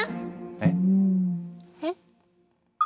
えっ？えっ？